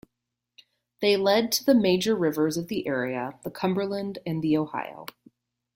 They led to the major rivers of the area, the Cumberland and the Ohio.